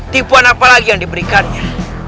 tipuan apa lagi yang diberikannya